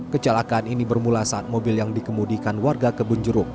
kecelakaan ini bermula saat mobil yang dikemudikan warga kebun jeruk